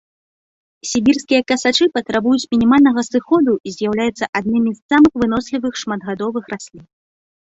Сібірскія касачы патрабуюць мінімальнага сыходу і з'яўляюцца аднымі з самых вынослівых шматгадовых раслін.